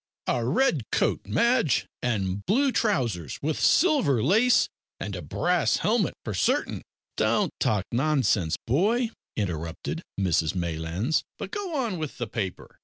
"A red coat, Madge, and blue trousers with silver lace and a brass helmet, for certain " "Don't talk nonsense, boy," interrupted Mrs Maylands, "but go on with the paper."